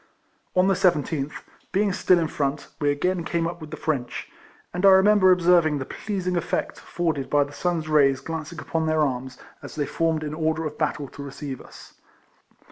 On the 17th, being still in front, we again came up with the French, and^ I remember observing the pleasing effect afforded by the sun's rays glancing upon their arms, as they formed in order of battle to receive us.